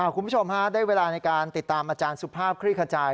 คุณผู้ชมฮะได้เวลาในการติดตามอาจารย์สุภาพคลี่ขจาย